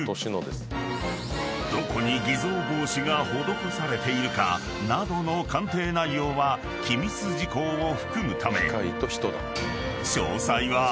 ［どこに偽造防止が施されているかなどの鑑定内容は機密事項を含むため］